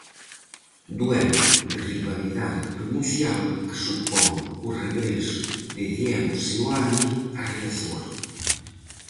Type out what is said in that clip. Duelo de rivalidade provincial que supón o regreso de Diego Seoane a Riazor.